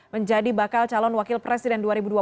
menjadi bakal calon wakil presiden dua ribu dua puluh